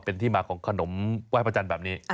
เป็นที่มาของขนมไหว้พระจันทร์แบบนี้